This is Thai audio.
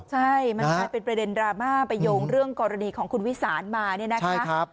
ใช่มันกลายเป็นประเด็นดราม่าไปโยงเรื่องกรณีของคุณวิสานมาเนี่ยนะคะ